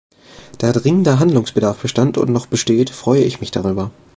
Da dringender Handlungsbedarf bestand und noch besteht, freue ich mich darüber.